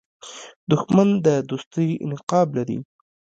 دښمن د دوستۍ نقاب لري